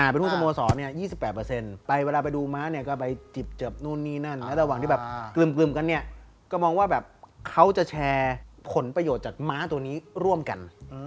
เป็นผู้สโมสร๒๘ไปเวลาไปดูม้าเนี่ยก็ไปจิบนู่นนี่นั่นแล้วระหว่างที่แบบกลึ่มกันเนี่ยก็มองว่าแบบเขาจะแชร์ผลประโยชน์จากม้าตัวนี้ร่วมกัน